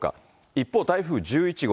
一方、台風１１号。